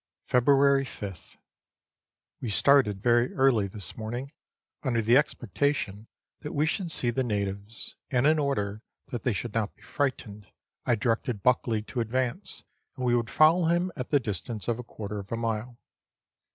February 5th. We started very early this morning, under the expectation that we should see the natives, and in order that they should not be frightened, I directed Buckley to advance, and we would follow him at the distance of a quarter of a mile.